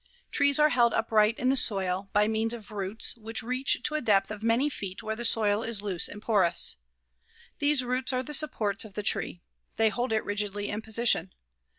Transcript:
Trees are held upright in the soil by means of roots which reach to a depth of many feet where the soil is loose and porous. These roots are the supports of the tree. They hold it rigidly in position.